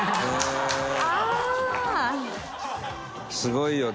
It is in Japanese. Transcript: すごいよね